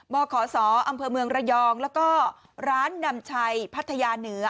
บขศอำเภอเมืองระยองแล้วก็ร้านนำชัยพัทยาเหนือ